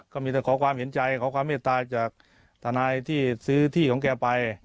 ก็มีแต่ขอความเห็นใจขอความเมตตาจากทนายที่ซื้อที่ของแกไป